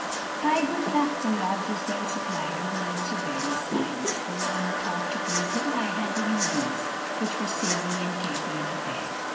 By good luck the lodge was well supplied with meats of various kinds. The woman thought to please him by handing him these, which were savory and carefully prepared.